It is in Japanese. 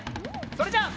それじゃあ。